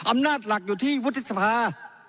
อำนาจหลักอยู่ที่อุตสรรภาพ